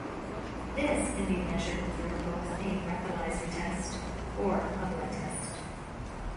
This can be measured through both a breathalyzer test or a blood test.